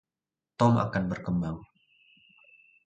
Tom akan berkembang.